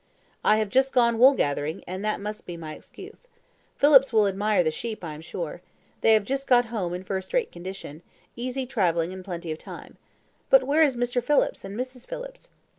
"I have just gone wool gathering, and that must be my excuse. Phillips will admire the sheep, I am sure. They have just got home in first rate condition; easy travelling and plenty of time. But where is Mr. Phillips and Mrs. Phillips?"